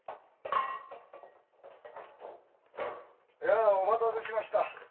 やあお待たせしました。